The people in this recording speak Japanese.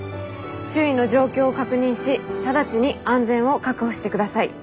周囲の状況を確認し直ちに安全を確保してください。